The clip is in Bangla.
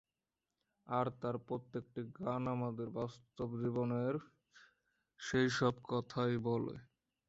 আর তাঁর প্রত্যেকটি গান আমাদের বাস্তব জীবনের সেই সব কথাই বলে।